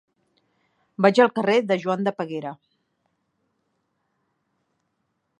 Vaig al carrer de Joan de Peguera.